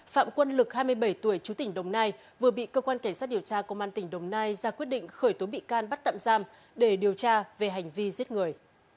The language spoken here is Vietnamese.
phạm quân lực hai mươi bảy tuổi chú tỉnh đồng nai vừa bị cơ quan cảnh sát điều tra công an tỉnh đồng nai ra quyết định khởi tố bị can bắt tạm giam để điều tra về hành vi giết người